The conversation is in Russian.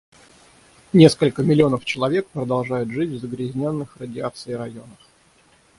Несколько миллионов человек продолжают жить в загрязнённых радиацией районах.